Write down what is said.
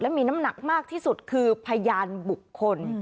มีน้ำหนักมากที่สุดคือพยานบุคคล